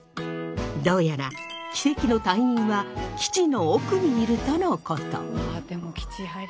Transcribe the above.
どうやら奇跡の隊員は基地の奥にいるとのこと。